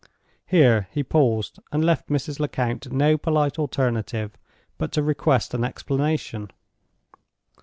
Here he paused, and left Mrs. Lecount no polite alternative but to request an explanation.